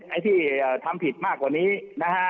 ไอ้ที่ทำผิดมากกว่านี้นะฮะ